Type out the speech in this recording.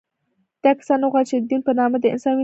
دا کسان نه غواړي چې د دین په نامه د انسان وینه تویه شي